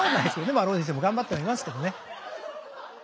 まあ浪人生も頑張ってはいますけどね。